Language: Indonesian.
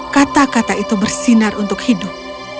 kata kata itu bersinar untuk hidup